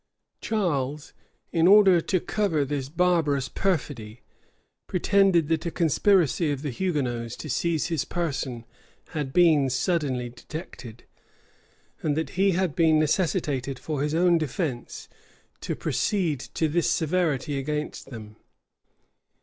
Charles, in order to cover this barbarous perfidy, pretended that a conspiracy of the Hugonots to seize his person had been suddenly detected; and that he had been necessitated, for his own defence, to proceed to this severity against them.